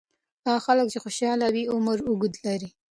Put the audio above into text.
هغه خلک چې خوشاله وي، عمر اوږد لري.